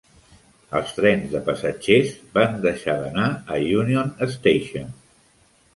Els trens de passatgers van deixar d'anar a Union Station.